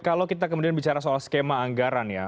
kalau kita kemudian bicara soal skema anggaran ya